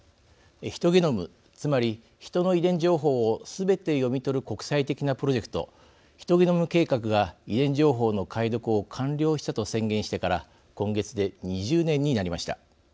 ヒトゲノムつまりヒトの遺伝情報をすべて読み取る国際的なプロジェクトヒトゲノム計画が遺伝情報の解読を完了したと宣言してから今月で２０年になりました。